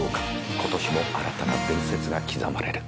今年も新たな伝説が刻まれる。